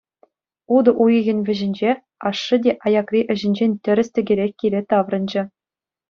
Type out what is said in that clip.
Утӑ уйӑхӗн вӗҫӗнче ашшӗ те аякри ӗҫӗнчен тӗрӗс-тӗкелех киле таврӑнчӗ.